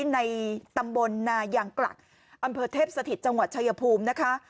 ในตำบลนายางกลักอำเภอเทพสถิตจังหวัดชายภูมินะคะ